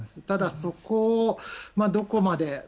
ただ、そこをどこまで。